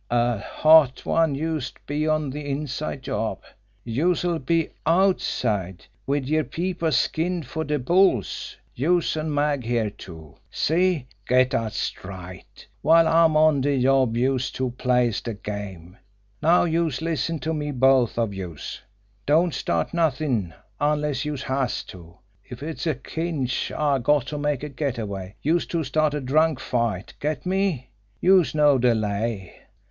A hot one youse'd be on an inside job! Youse'll be OUTSIDE, wid yer peepers skinned for de bulls youse an' Mag here, too. See! Get dat straight. While I'm on de job youse two plays de game. Now youse listen to me, both of youse. Don't start nothin' unless youse has to. If it's a cinch I got to make a get away, youse two start a drunk fight. Get me? Youse know de lay.